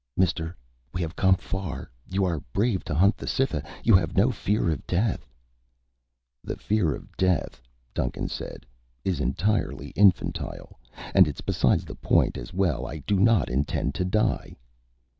"Mister, we have come far. You are brave to hunt the Cytha. You have no fear of death." "The fear of death," Duncan said, "is entirely infantile. And it's beside the point as well. I do not intend to die."